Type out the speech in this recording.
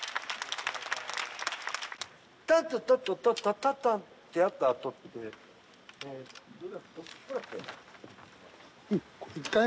「タタタタタタタタ」ってやったあとってええ